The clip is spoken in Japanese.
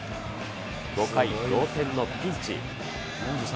５回、同点のピンチ。